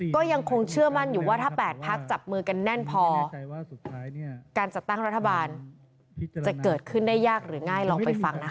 ก็ยังคงเชื่อมั่นอยู่ว่าถ้า๘พักจับมือกันแน่นพอการจัดตั้งรัฐบาลจะเกิดขึ้นได้ยากหรือง่ายลองไปฟังนะคะ